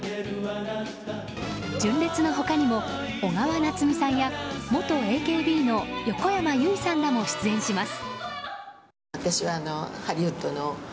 純烈の他にも、小川菜摘さんや元ＡＫＢの横山由依さんらも出演します。